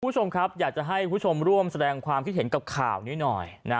คุณผู้ชมครับอยากจะให้คุณผู้ชมร่วมแสดงความคิดเห็นกับข่าวนี้หน่อยนะ